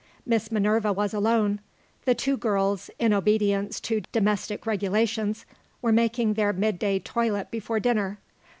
Miss Minerva was alone. The two girls, in obedience to domestic regulations, were making their midday toilet before dinner.